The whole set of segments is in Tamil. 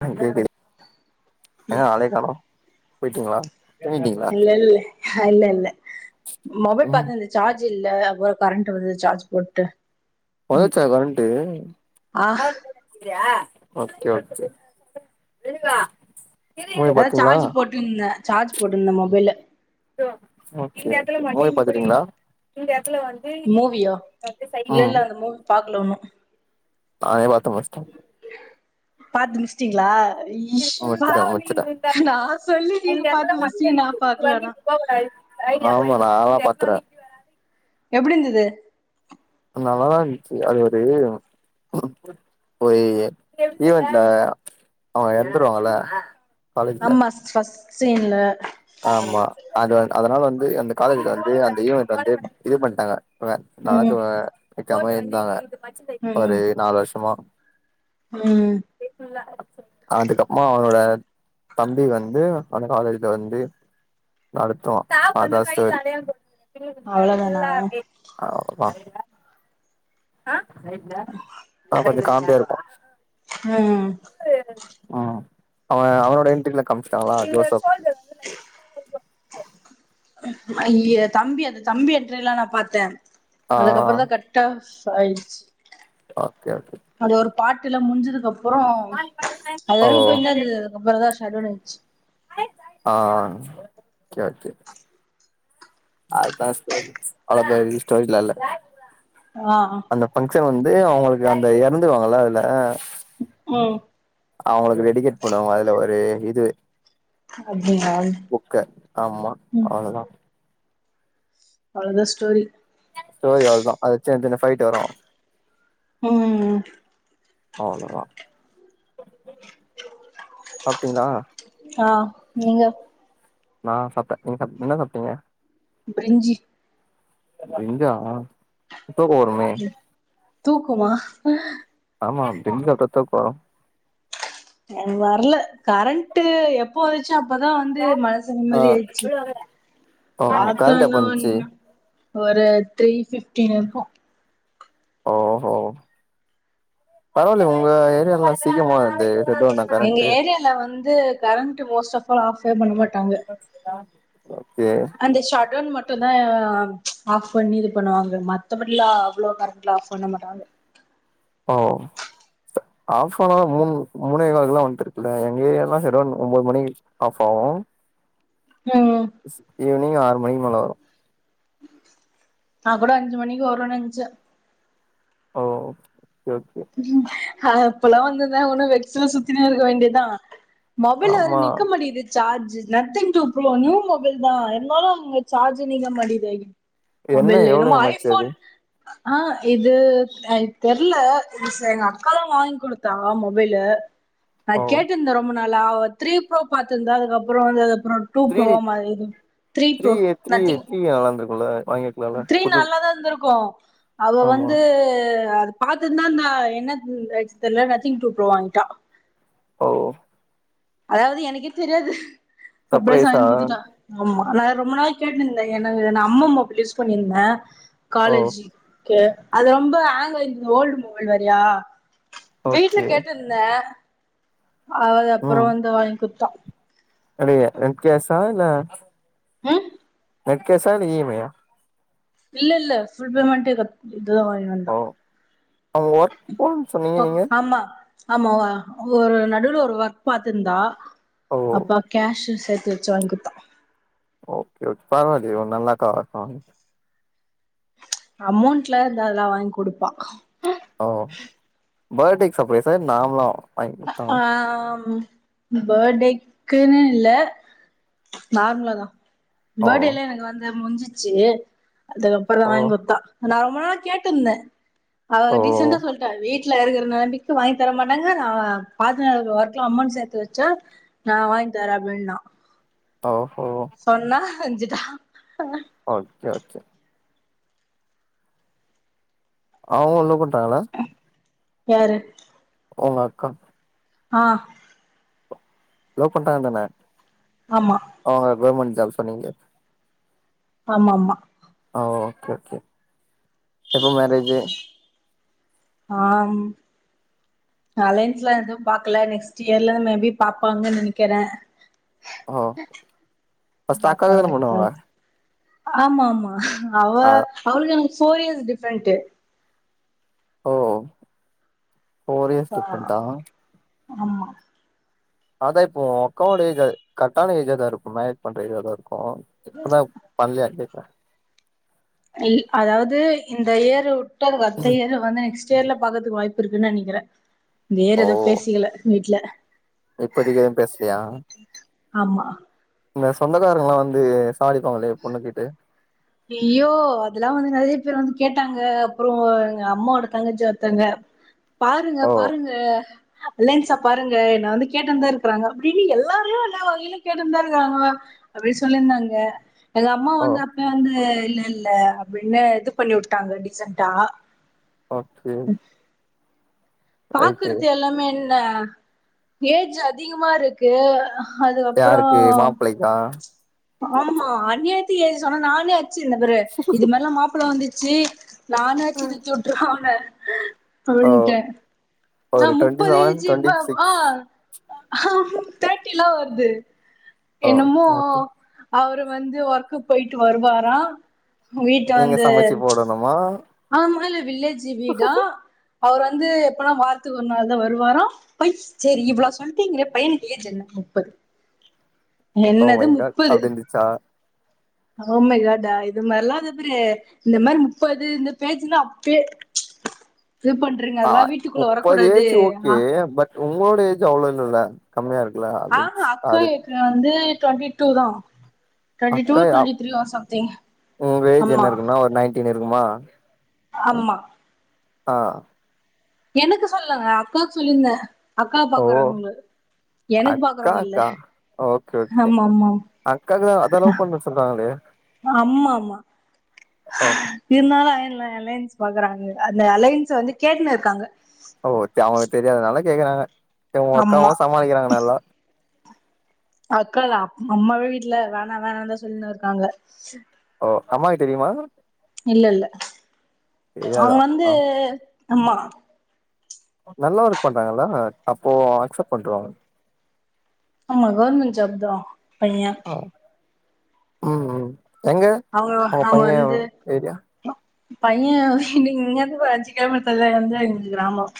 [unintelligible] என்ன ஆளே காணோம் போய்டிட்டீங்களா தூங்கிட்டிங்களா ஹ இல்ல இல்ல மொபைல் ம் பாத்தது இந்த சார்ஜ் ஜ் இல்ல அப்புறம் கரண்ட் வந்தது சார்ஜ் போட்டு வந்த வந்துச்சா கரண்ட்டு ஆ ஓகே ஓகே மூவி அதா பாத்தீங்களா சார்ஜ் போட்டுருந்தே சார்ஜ் போட்டுருந்த மொபைல ஓகே மூவி பாத்துடீங்ளா மூவியா இல்ல இல்ல அந்த மூவி பாக்ல உண்ணு நானே பாத் தோவாஸ்டேன் பாத்து முச்ட்டீங்ளா [unintelligible] உங்க சொல்லி நீங்க எட்த்துல பாத்து முச்டீங்க மட்டுந்தா நா பாக்கல ஆனா [unintelligible] ஆமா நால்லா பாத்றுவ எப்டி இந்துது நல்லாதா இருன்ச்சு அது ஒரு ஒரு ஈவென்ட்ல அவங்க எறந்துருவாங்கல்ல காலேஜ்ல அமா ஸ்ட்ரெஸ் சீன்ல ஆமா அது அதனால வந்து அந்த காலேஜ்ல வந்து அந்த ஈவென்ட் வந்து இது பண்ட்டாங்க ம் [unintelligible] வெக்காம இருந்தாங்க ஒரு ம் நாலு வர்ஷமா ம் அதுக்கப்மா அவனோட தம்பி வந்து அந்த காலேஜ்ல வந்து நடத்துவா அதா ஸ்டோரி அவ்ளோதானா ஆமா ஆஹ் ஆ கொஞ்சொ காம் ட்டேருப்போ ம் ஆஹ் அவ அவனோட என்ட்ரில காம்ச்சுட்டாங்ளா ஜோசப் அய்ய தம்பி அந்த தம்பி என்ட்ரில்லா நா பாத்தேன் ஆ அதுக்கப்றந்தா கர்ட்டா டாயிச்சு ஓகே ஓகே பாட்டுல முடிஞ்சதுக் ப்புறோ அது ஓ வரக்கு போயின்தா ந்துது அதுக்கப்பறந்தா [unintelligible] ஆஹ் கேத்த அதா ஸ்டோரி அவ்ளோ பெரிய ஸ்டோரிலால்ல ஆ அந்த ஃபங்ஷன் வந்து அவங்களுக்கு அந்த இறந்துவாங்களா அதுல ம் அவங்களுக்கு டெடிகேட் பண்ணுவாங்க அதுல ஒரு இது அப்டியா புக்க ஆமா அவ்ளவுதான் அவ்ளத ஸ்டோரி ஸ்டோரி அவ்வளவுதான் அத சின்ன சின்ன ஃபைட்டு் வரும் உஹம் அவ்ளோதா சாப்டிங்களா ஆஹ் நீங்க நான் சாப்டேன் நீங்க என்ன சாப்பிட்டீங்க பிரிஞ்சி பிரிஞ்சா [unintelligible] தூக்கமா ஆமா தூங்கத்தா போற வரல கரண்ட் எப்ப வந்துச் சி அப்பதா வந்து மனசு ஆ நிம்மதியாச்சி ஓ காத்தோ கரண்ட் எப்ப இல்ல வந்துச்சு ஒன்னோ ஒரு த்ரீஃப்ட் டி இருக்கோ ஓஹோ பரவாயில்ல உங்க ஏரியல்லா சீக்கிரமா இது செட்டவுன்னா எங்க கரண்ட்டு ஏரியால வந்து current most of all of [inaudible] அந்த ஷாடோன் மட் டோ தா ஆஃப் பண்ணி இது பண்ணுவாங்க மத்தபடிலா அவ்ளோ கரண்ட்லா ஆஃப் பண்ண மாட்டாங்க ஓ ஆஃப் ஆனாலா மூணு மூணேகாலுக்கு எல்லா வந்திருதுலா எங்க ஏரியாலா ஷட் டவுன் ஒன்பது மணி ஆஃப் ஆவோ ம் ஈவினிங் ஆறு மணிக்கு மேல வரும் நா கூட அஞ்சு மணிக்கு வரோன்னு நெனச்சே ஓ ஓகே ஓகே உஹம் அப்பில்லா வந்திருந்தா உன்னோ வெக்ஸுல சுத்தினே இருக்க வேண்டியத்தா மொபைல்ல வேற ஆமா நிக்கமாட்டிகிது சார்ஜ் இது Nothing two bro new mobile தா இருந்தாலும் சார்ஜ் நீங்க மாட்டிங்குது என்ன மொபைல்ல எவ்ளோ என்னமோ எம் ஆச்சு அது ஐஃபோன் ஆஹ் இது ஆ தெர்ல புதுசுல எங்க அக்கா தா வாங்கி குடுத்தா மொபைலு நா ஓ கேட்டுந்த ரொம்ப நல்லா அவோ த்ரீ ப்ரோ பாத்திருந்தா அதுக்கப்புறோ வந்து அப்றோ டூ த்ரீ ப்ரோ மாரிந்து த்ரீ ப்ரோ நத்திங் உள்ல த்ரீ நல்லாதா இருந்திருக்கோ [unintelligible] அவ ஆமா வந்து பாத்துன்தா இருந்தா என்னா ஆச்சினு தெர்ல நத்திங் டூ ப்ரோ வாங்கிட்டா ஓ அதாவது எனக்கே தெரியாது சர்ப்ரைஸ்ஸா சர்ப்ரைஸா வாங்கி குடுத்துட்ட ஆமா ஆனா ரொம்ப நாள் கேட்டுந்தே எனக்கு நா அம்மா மொபைல் யூஸ் பண்ணிந்தே ஓ காலேஜி கே அது ரொம்ப ஹேங் ஆயிந்தது ஓல்டு மொபைல் வேறியா வீட்ல ஓகே கேட்டுந்தே ஆ தப் அப்றோ வந்து வாங்கி குத்தா பே ஆங் கேஸா இல்லே ம் நெட் கேஷா இல்ல ஈ எம் ஐ ஆ இல்லல்ல ஃபுல் பேமெண்ட்டேதா போதா வாங்கிட்டு வந்தா ஓ அவங்க ஒர்க் போனு சொன்னீங்க ஒ நீங்க ஆமா ஆமாவா ஒரு நடுல ஒரு ஒர்க் பாத்துர்ந்தா ஓ அப்பா கேஷுஸ் சேத்து வச்சி வாங் குத்தா ஓகே ஓ பர்வால்லையே ஒரு நல்லக்காவா இருப்பாங் அமௌண்ட்லேததா வாங்க்குடுப்பா படேகு சப்ரைஸா இ நார்மலாவா அஆம் படேக்குன்னு இல்ல நார்ம்லாதா ஓ படேலா எனக்கு வந்து முடிஞ்சு சினு அதுக்கப்றோ ஓ வாங்க்குத்தா நா ரொம்ப நாளா கேட்டுந்தே அவ ஓ டீசெண்டா சொல்ட்டா வீட் ட்லருக்குற நெலமக்கி வாங் தர மாட்டாங்க அவ பாத்துனருக்குற ஒர்க்ல அமௌண் சேத்து வச்சா நா வாங் தரே அப்டின்னா ஓ சொன்னா செஞ்சிட்டா ஓகே ஓகே அவுங்க லவ் பண்டாங்களா யாரு ஒங்கக்கா ஆ லவ் பண்றாங்க தானே ஆமா அவுங்க கவுர்மெண்ட் ஜாப் சொன்னீங்ளே ஆமாமா ஆஹ் ஓகே ஓகே எப்போ மேரேஜு ஆஹ் அலைன்ஸ்ல எதும் பாக்கல நெக்ஸ்ட் இயர்லந்து மேபி பாப்பாங்கன்னு நெனைக்கிற ஓ‌ ஃபர்ஸ்ட்டு அக்காகுதான அப்ப பண்ணுவாங்க ஆமா ஆமா அவ ஆ அவளுக்கு எனக்கு ஃபோர் இயர்ஸ் டிஃப்ரெண்ட்டு ஓ ஃபோர் இயர்ஸ் சோ டிஃப்ரெண்டா ஆமா அதா இப்போ உ அக்காவோட ஏஜா கர்ட்டான ஏஜா தாருக்கும் மேனேஜ் பண்ற ஏஜா தாருக் கு ஆனா பண்லையா இல் அதாவது இந்த இயரு உட் ட அதுக்கடுத்த இயரு‌ வந்து நெக்ஸ்ட் டு இயர்ல பாக்கறதுக்கு வாய்ப்பிருக்குன்னு நெனைக்குற வேற எதோ பேசிக்கல வீட்டு்ல இப்போதிக்கு எதும் பேஸ்லியா ஆமா இந்த சொந்தக்காரங்கல்லா வந்து சாவடிப்பாங்களே பொண்ணு கேட்டு ஐய்யோ அதெல்லா வந்து நெறைய பேர் வந்து கேட்டாங்க அப்புறோ எங்க அம்மாவோட தங்கச்சி ஒருத்தங்க பாருங்க ஓ பாருங்க அலைன்ஸா பாருங்க என்ன வந்து கேட்டனந்தா இருக்கறாங்க அப்டின்னு இங்க எல்லாருமே ஒரு நா ஒரு வகையில கேட்டுனுந்தா இருக்காங்கோ அப்டின்னு சொல்லியிருந்தாங்க எங்க அம்மா ஓ வந்து வந்து இல்ல இல்ல அப்டின்னு இது பண்ணி உட்டாங்க டீசன்ட்டா ஓகே ரைட்டு பாக்கறது எல்லாமே என் ன ஏஜ் அதிகமா இருக்கு அதுக்கப்புறோ யாருக்கு மாப்பிள்ளைக்கா ஆமா அண்ணியாத்திக்கு ஏஜி சொன்னா நானே சி இன்ன பாரு இது மாரிலாம் மாப்பிள்ள வந்து சீ நானாச்சி தூக்கி உட்ருவன் அவன ஓ அவன்ட்ட ஒரு ஆஹ் டுவெண்ட்டி முப்பது செவன் ஏஜி டுவெண்ட்டி [inaudible] சிக்ஸ் ஆஹ் [unintelligible] தேட்டிலா வருது ஓ என்னமோ தேர்ட்டி அவ்ரு வந்து ஒர்க்கு போய்ட்டு வருவாரா வீட்ட நீங்க வந்து சமைச்சு போடணுமா ஆமா இல்ல வில்லேஜி வீடா அவ்ரு வந்து எப்பனா வாரத்துக்கு ஒருநாள் தா வருவார சேரி இவ்ளோ சொல்றிங்களே பையனுக்கு ஏஜ் என்ன முப்பது ஓ என்னது மை காட் அப்டி இருந்துச்சா ஓ மை காட் இது மாரிலா தோப்பறு இந்த மாரி முப்பது இந்த பேச்சின்னா அப்பியே ஆஹ் முப்பது ஏஜ் ஓகே ஆ பட் உங்களோட ஏஜ் அவ்ளோ இல்லல்ல கம்மியா இருக்குல்ல அது ஆஹ் அக்கா அது ஏற்கனே வந்து டுவெண்ட்டி டூ தா டுவெண்ட்டி டூ அக்கா யாவ் டுவெண்ட்டி த்ரீ ஆர் சம்திங் உங்க ஏஜ்ஜி ஆமா என்ன இருக்குனா ஒரு நைன்டீன் இருக்குமா ஆமா ஆஹ் எனக்கு சொல்லுங்க அக்காவுக்கு சொல்லியிருந்த ஓ பாக்குறவங்க இல்ல அக்காக்கா ஓகே ஓகே ஆமா ஆமா அக்காக்கு தா அதா லவ் பண்றனு சொல்றாங்களே அம்மா ஆமா ஓ இருந் தாலு இல்ல அலையன்ஸ் பாக்குறாங்க அந்த அலையன்ஸ் வந்து கேட்டுன்னு இருக்காங்க ஓ த அவுங்க தெரியாதனால கேக்குறாங்க உங்க அக்காவு ஆமா சமாளிக்கிறாங்க நல்லா அக்கா தா அம்மாவே வீட்டுல வேணா வேணா தா சொல்லின்னு இருக்காங்க ஓ அம்மாக்கு தெரியுமா இல்ல இல்ல தெரியாதா அவுங்க வந்து ஆமா நல்லா ஒர்க் பண்றாங்கள அப்போ அக்ஸப்ட் பண்ருவாங்க ஆமா கவர்மெண்ட் ஜாப் தா பையன் உம் உம் எங்க அவங்க உங்க பையன் ஏரியா பையன் வந்து இங்கருந்து ஒரு அஞ்சு கிலோமீட்டர்ல [inaudible] கிராமம்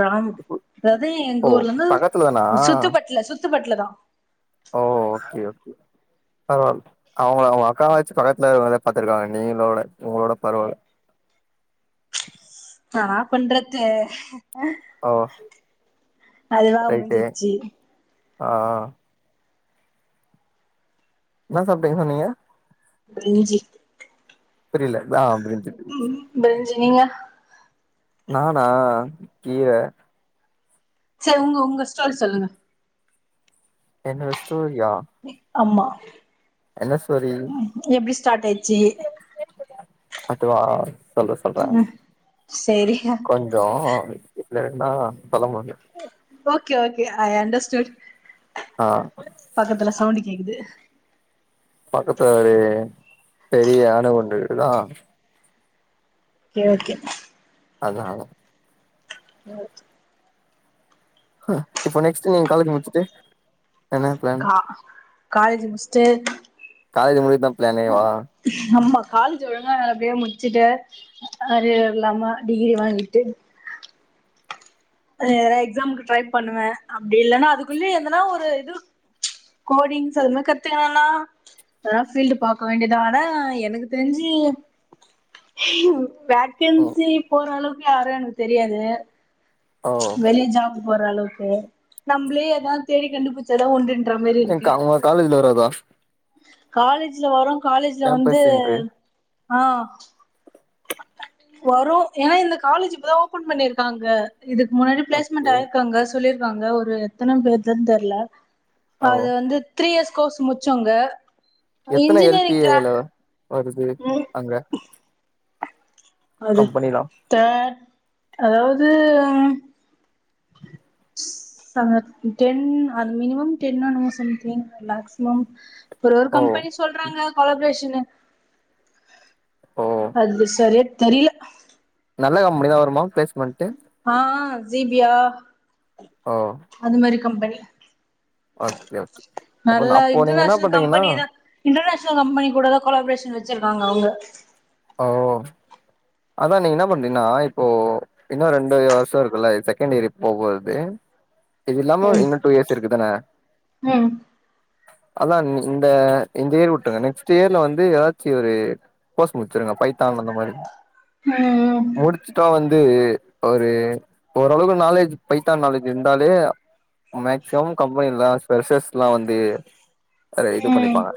கிராமம் அதாவ்து எங் ஓ ஊர்ல இருந்து பக்கத்துல தானா சுத்துப்பட்ல சுத்துப்பட்ல தா ஓ ஓகே ஓகே பரவால்ல அவுங்க அவுங்க அக்கா வச்சு பக்கத்துல இருக்கவங்கள பத்துருக்காங்க நீங்களோட உங்களோட பரவால்ல ஆ‌ நா பண்றது ஓ அதுவா ரைட்டு அமஞ்சிச்சு ஆ என்ன சாப்ட்டிங்கன் சொன்னீங்க கஞ்சி புரியல ஆ புரிஞ்சு புரிஞ்சு பிரிஞ்சி நீங்க நானா கீர செரி உங்க உங்க ஸ்டோரி சொல்லுங்க என்னோட ஸ்டோரி யா ஆமா என்ன ஸ்டோரி ஸ்டாட் ஆயிச்சு அதுவா சொல்றே சொல்றே ம் சரி கொஞ்சோ இல்லனா பழம் வாங்க ஓகே ஓகே ஐ அண்டர்ஸ்சுட் ஆ பக்கத்துல சவுண்ட் கேக்குது பக்கத்துல ஒரு பெரிய அணு குண்டு இருக்குதா ஓகே ஓகே அதா அதா ம் ஆ இப்போ நெக்ஸ்ட் நீங்க காலஜ் முடிச்சுட்டு என்ன பிளான் கா காலேஜ் முச்ச்ட்டு காலேஜ் முடிஞ்சுதா பிளானேவா நம்ம காலேஜ் ஒழுங்கா அப்படியே முடிச்சுட்டு அறியர்லாம டிகிரி வாங்கிய எக்ஸாம்க ட்ரை பண்ணுவேன் அப்படி ர. றன றனஇல்லைன்னா அதுக்குள்ள னன்னஎந்தனா ஒரு இது கோடிங்ப அது கத்துக்கா அத பீல்டு பா்க வேண்டியத ஆனா எனக்கு தெரிஞ்சு ம் வேக்கன்சி போற அளவுக்கு யாரும் எனக்கு தெரியாது ஓ வெலி ஜாப் ஓரளவுக்கு நம்மளே ஏதாது தேடி கண்டுபிடிச்சதா உண்டு எ கா காலேஜ்ல வராது [unintelligible] காலேஜ்ல வரும் காலேஜ்ல வந்து கேம்பஸ் இன்ட்ர்வியூ ஆ வரும் ஏன்னா இந்த காலேஜ் இப்பதா ஓபன் பண்ணிருக்காங்க இதுக்கு முன்னாடி ப்லேஸ்மெண்ட் ஓகே ஆயிருக்கங்க சொல்லி இருக்காங்க ஒரு எத்தன பேருதுனு தெரல ஓ அது வந்து த்ரீ இயஸ் கோர்ஸ்சு முடுச்சோங்க எத்தனை எல் பி ஏ ல வருது ம் அங்க அது கம்பெனிலா தெ அதாவ து அங்க டென் அது மினிமம் டென்னோ என்னமோ சொன்னுச்சி தெர்ல மேக்சிமம் ஒரு ஒரு ஓ கம்பெனி சொல்றாங்க கொலப்ரேஷன் ன்னு ஓ அது சரியா தெரில நல்ல கம்பெனி தா வருமா ப்ளேஸ் ஆஹ் ஜீப்பியா ஓ கம்பனி ஓகே ஓகே அப்ப நல்ல அப்போ நீங்க என்ன இன்டர்நேஷனல் பண்றீங்கன்னா கம்பெனிதா இன்டர்நேஷனல் கம்பெனி கூடதா கொலாப்ரேஷன் வச்சிருக்காங்க அவங்க ஓ அதா நீங்க என்ன பண்றீன்னா இப்போ இன்னு ரெண்டு வருஷ இருக்குல்ல செகண்ட் இயரு இப்போ போறது இது இல்லாம ம் இன்னு டூ இயர்ஸ் இருக்குதான ம் அதா இந்த இந்த இயர் வுட்டுருங்க நெக்ஸ்ட் இயர்ல வந்து ஏதாச்சி ஒரு கோர்ஸ் முச்சிருங்க பைத்தான் அந்த மாரி ம் து ஒரு ஒரளவுக்கு நாலேஜ் பைத்தான் நாலேஜ் இருந்தாலே மேக்சிமம் கம்பெனிலா ப்ரஸ்சஸ்லா வந்து அத இது ம் பண்ணிப்பாங்க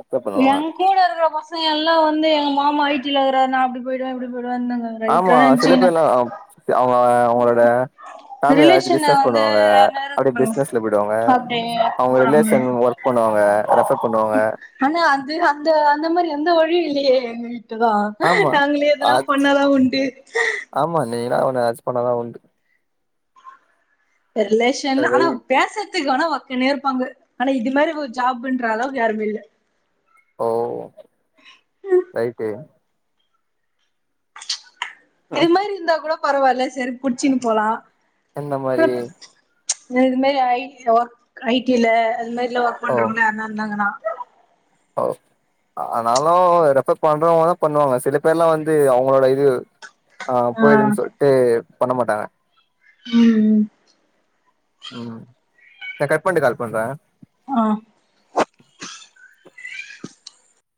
அக்சப்ட் பண்ணுவாங்க எங்க கூடருக்கற பசங்க எல்லாம் வந்து எங் மாமா ஐடில இருக்ராரு நா அப்டி போய்டுவ இப்டி போய் ஆமா சில பேர்லா அவங்க ஆ அவங்ளோட பேமிலி யாராச்சு ரிலேஷன்ல பிஸ்னஷ் வந்து பண்ணுவாங்க யாருனா அப்டி இருப்பாங்க பிஸ்னஷ்ல போயிடுவாங்க அப்டியே அவங்க போறாங்க ரிலேஷன் ஒர்க் பண்ணுவாங்க ரெஃபர் பண்ணுவாங்க ஆனா அது அந்த அந்த மாரி எந்த வழியு இல்லையே ம் கரட்டுதா ஆமா நாங்களே எதனா பண்ணாதா உண்டு நு அவன எதாச்சு பண்ணாதா உண்டு ப்ப ரிலேஷன்ல அது வை ஆனா பேசக் த்துக்கானா ஒர்க்குனேருப்பாங்க ஆனா இது மாரி ஜாப்புன்றளவுக்கு யாருமே இல்ல ஓ ரைட்டு இது மாரி இருந்தா கூட பரவால்ல செரி குட்ச்சினு போலா எந்த மாரி இது மாரி ஹை ஜாப் ஐ டி லா அது மாரி இல்ல ஒர்க் பண்றவ்ங்களா யாருனா இருந்தாங்கனா ஒ ஆனாலு ரெஃபர் பண்றவ்ங்கதா பண்ணுவாங்க சில பேர்லா வந்து அவ்ங்ளோட இது ஆஹ் ஆ போயிருன் சொல்ட்டு பண்ண மாட்டாங்க உம் உம் உம் நா கட் பண்ட்டு கால் பண்றே ஆஹ்